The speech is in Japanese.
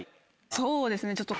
そうですねちょっと。